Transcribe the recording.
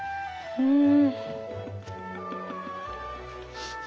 うん。